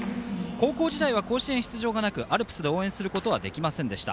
高校時代は甲子園出場はなく応援することはできませんでした。